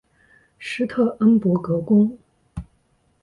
施特恩伯格宫。